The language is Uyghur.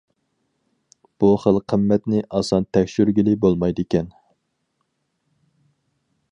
بۇ خىل قىممەتنى ئاسان تەكشۈرگىلى بولمايدىكەن.